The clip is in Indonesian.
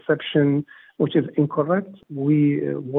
kami telah bekerja dengan